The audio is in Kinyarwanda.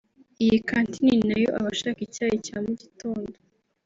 Iyi kantine ni na yo abashaka icyayi cya mu gitondo